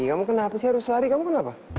kamu kenapa saya harus lari kamu kenapa